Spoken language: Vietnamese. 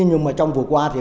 nhưng mà trong vụ qua thì